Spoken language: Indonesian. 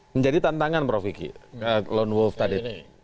menjadi tantangan prof kiki lone wolf tadi